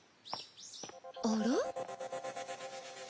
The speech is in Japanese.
あら？